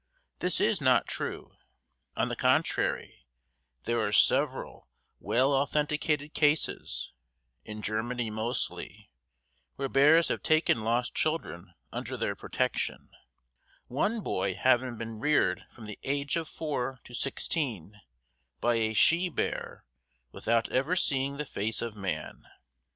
This is not true. On the contrary, there are several well authenticated cases, in Germany mostly, where bears have taken lost children under their protection, one boy having been reared from the age of four to sixteen by a she bear without ever seeing the face of man.